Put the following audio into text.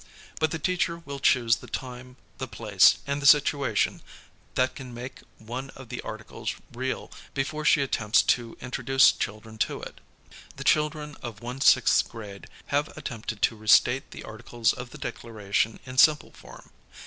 But the teacher will choose the time, the place, and the situation that can make one of the Articles real before she attemj)ts to introduce children to it. The children of one sixth grade have attem|)ted to restate the Articles of the Declaration in simple form.